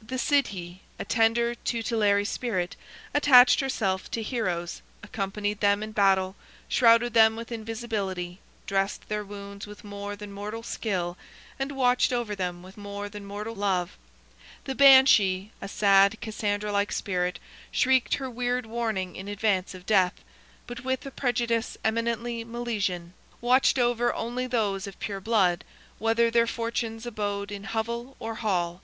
The Sidhe, a tender, tutelary spirit, attached herself to heroes, accompanied them in battle, shrouded them with invisibility, dressed their wounds with more than mortal skill, and watched over them with more than mortal love; the Banshee, a sad, Cassandra like spirit, shrieked her weird warning in advance of death, but with a prejudice eminently Milesian, watched only over those of pure blood, whether their fortunes abode in hovel or hall.